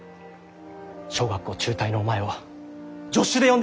小学校中退のお前を助手で呼んでくださったんだぞ。